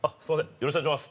よろしくお願いします」。